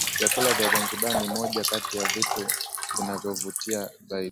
Vyakula vya Zanzibar ni moja Kati ya vitu vinavyovutia zaidi